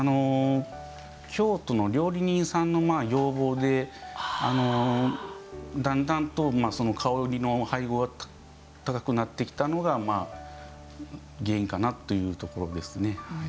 京都の料理人さんの要望でだんだんと香りの配合が高くなってきたのが原因かなというところですね。